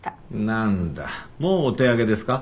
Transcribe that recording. なんだもうお手上げですか？